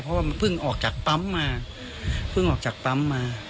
เพราะว่ามันเพิ่งออกจากปั๊มมา